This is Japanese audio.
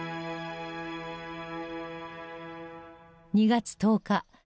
２月１０日。